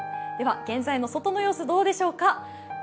現在の外の様子どうでしょうか。